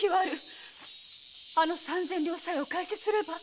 あの三千両さえお返しすれば。